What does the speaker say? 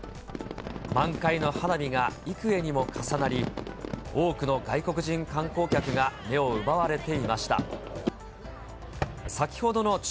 満開の花火が幾重にも重なり、多くの外国人観光客が目を奪われていました。